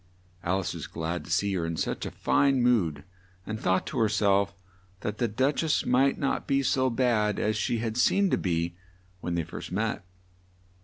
Al ice was glad to see her in such a fine mood, and thought to her self that the Duch ess might not be so bad as she had seemed to be when they first met.